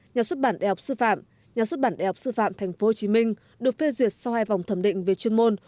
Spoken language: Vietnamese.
nhà xuất bản đại học sư phạm nhà xuất bản đại học sư phạm tp hcm được phê duyệt sau hai vòng thẩm định về chuyên môn